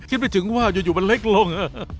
คิดไม่ถึงว่าอยู่มันเล็กลง